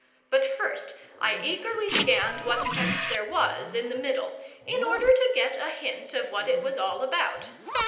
But first I eagerly scanned what text there was in the middle, in order to get a hint of what it was all about.